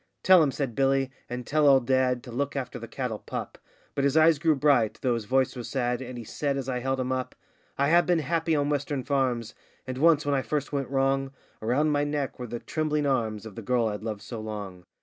Tell 'em,' said Billy, 'and tell old dad, to look after the cattle pup;' But his eyes grew bright, though his voice was sad, and he said, as I held him up: 'I have been happy on western farms. And once, when I first went wrong, Around my neck were the trembling arms of the girl I'd loved so long.